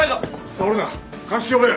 触るな鑑識呼べ！